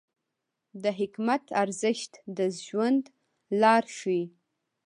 د حکمت ارزښت د ژوند لار ښیي.